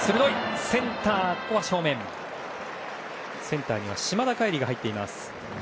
センターには島田海吏が入っています。